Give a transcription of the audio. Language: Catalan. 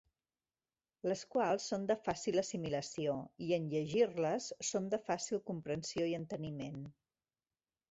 Les quals són de fàcil assimilació i, en llegir-les, són de fàcil comprensió i enteniment.